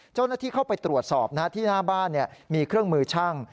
เจ้าหน้าที่เข้าไปตรวจสอบที่หน้าบ้านมีเครื่องมือช่าง